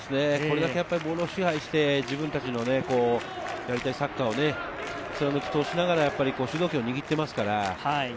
これだけボールを支配して、自分たちのやりたいサッカーを貫き通しながら主導権を握っていますから。